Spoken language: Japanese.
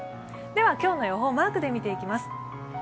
今日の予報をマークで見ていきます。